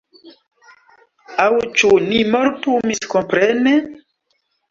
Aŭ ĉu ni mortu miskomprene?